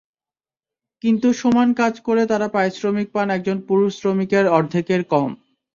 কিন্তু সমান কাজ করে তাঁরা পারিশ্রমিক পান একজন পুরুষ শ্রমিকের অর্ধেকের কম।